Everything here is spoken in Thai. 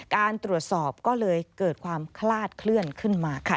การตรวจสอบก็เลยเกิดความคลาดเคลื่อนขึ้นมาค่ะ